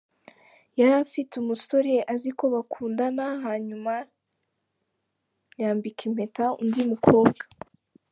Yari afite umusore azi ko bakundana hanyuma yambika impeta undi mukobwa.